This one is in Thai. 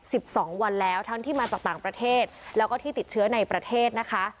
สิบสองวันแล้วทั้งที่มาจากต่างประเทศแล้วก็ที่ติดเชื้อในประเทศนะคะ